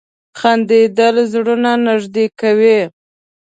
• خندېدل زړونه نږدې کوي.